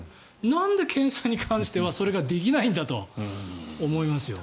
なんで検査に関しては、それができないんだと思いますよ。